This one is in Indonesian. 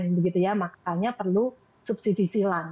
begitu ya makanya perlu subsidi silang